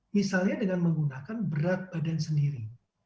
misalnya dengan menggunakan berat badan sendiri